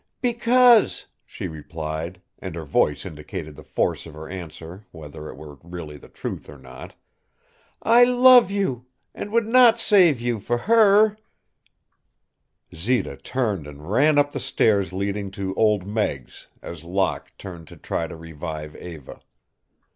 "Because," she replied and her voice indicated the force of her answer whether it were really the truth or not "I love you, and would not save you for her." Zita turned and ran up the stairs leading to Old Meg's as Locke turned to try to revive Eva.